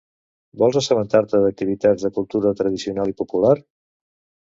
Vols assabentar-te d'activitats de cultura tradicional i popular?